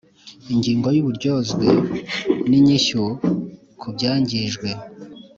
Ingingo yuburyozwe ninyishyu kubyangijwe